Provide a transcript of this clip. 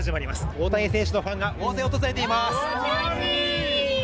大谷選手のファンが大勢訪れています。